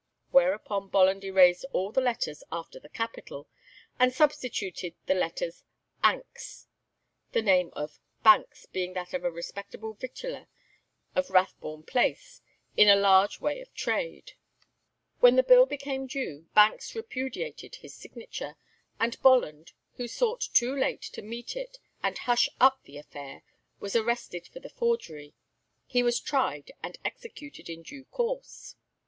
Whereupon Bolland erased all the letters after the capital, and substituted the letters "anks," the name of Banks being that of a respectable victualler of Rathbone Place, in a large way of trade. When the bill became due, Banks repudiated his signature, and Bolland, who sought too late to meet it and hush up the affair, was arrested for the forgery. He was tried and executed in due course.